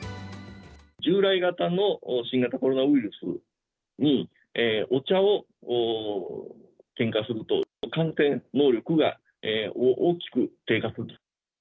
従来型の新型コロナウイルスにお茶を添加すると、感染能力が大きく低下すると。